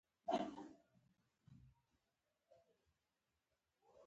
طیاره د فضا قوانینو ته درناوی کوي.